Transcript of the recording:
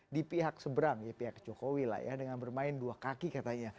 di pihak seberang ya pihak jokowi lah ya dengan bermain dua kaki katanya